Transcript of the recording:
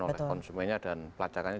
oleh konsumennya dan pelacakannya